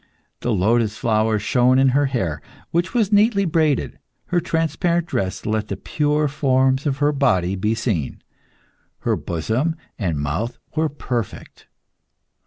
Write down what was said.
The lotus flower shone in her hair, which was neatly braided. Her transparent dress let the pure forms of her body be seen. Her bosom and mouth were perfect.